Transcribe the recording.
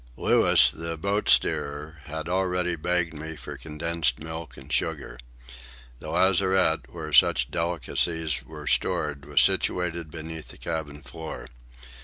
Louis, the boat steerer, had already begged me for condensed milk and sugar. The lazarette, where such delicacies were stored, was situated beneath the cabin floor.